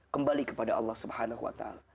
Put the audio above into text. kembali kepada allah swt